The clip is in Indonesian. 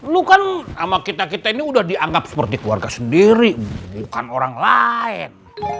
lu kan sama kita kita ini udah dianggap seperti keluarga sendiri bukan orang lain